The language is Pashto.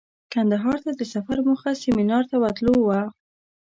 کندهار ته د سفر موخه سمینار ته ورتلو وه.